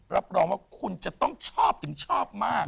รับรองว่าคุณจะต้องชอบถึงชอบมาก